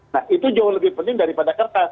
nah itu jauh lebih penting daripada kertas